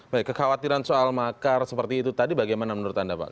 baik kekhawatiran soal makar seperti itu tadi bagaimana menurut anda pak